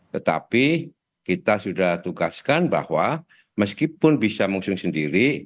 tetapi kita sudah tugaskan bahwa meskipun bisa mengusung sendiri